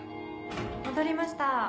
・戻りました